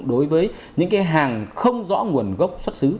đối với những hàng không rõ nguồn gốc xuất xứ